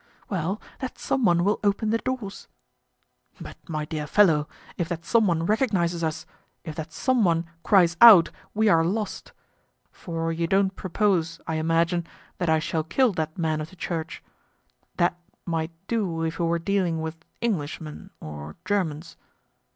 "Well, that some one will open the doors." "But, my dear fellow, if that some one recognizes us, if that some one cries out, we are lost; for you don't propose, I imagine, that I shall kill that man of the church. That might do if we were dealing with Englishmen or Germans."